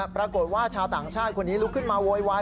ปรากฏว่าชาวต่างชาติคนนี้ลุกขึ้นมาโวยวาย